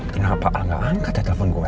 kenapa al gak angkat ya telepon gue